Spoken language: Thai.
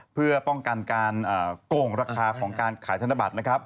เพื่อป้องกันการโก่งราคาของการขายทานาบัติ